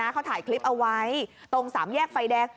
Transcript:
เขาถ่ายคลิปเอาไว้ตรงสามแยกไฟแดง